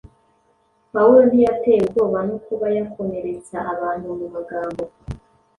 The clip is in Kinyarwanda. Pawulo ntiyatewe ubwoba no kuba yakomeretsa abantu mu magambo,